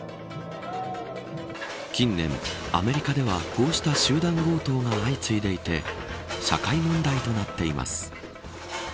近年、アメリカではこうした集団強盗が相次いでいて社会問題となっています。